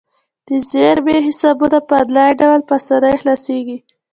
د زیرمې حسابونه په انلاین ډول په اسانۍ خلاصیږي.